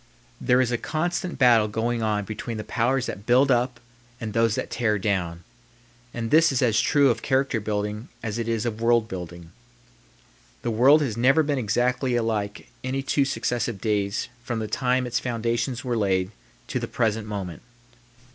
There is a constant battle going on between the powers that build up and those that tear down; and this is as true of character building as it is of world building. The world has never been exactly alike any two successive days from the time its foundations were laid to the present moment.